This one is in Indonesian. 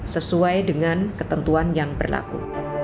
sesuai dengan ketentuan yang berlaku